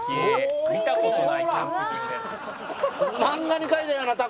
「見た事ないキャンプ場で」